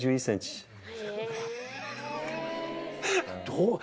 どう？